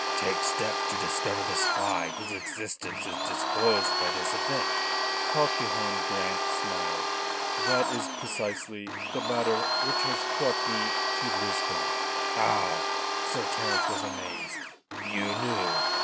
"Take steps to discover the spy whose existence is disclosed by this event." Colquhoun Grant smiled. "That is precisely the matter which has brought me to Lisbon." "How?" Sir Terence was amazed. "You knew?"